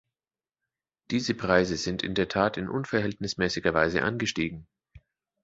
Diese Preise sind in der Tat in unverhältnismäßiger Weise angestiegen.